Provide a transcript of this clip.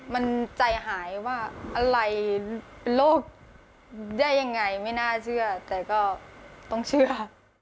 มันใจหายว่าอะไรเป็นโรคได้ยังไงไม่น่าเชื่อแต่ก็ต้องเชื่อ